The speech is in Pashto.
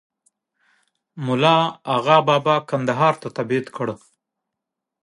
مُلا آغابابا کندهار ته تبعید کړ.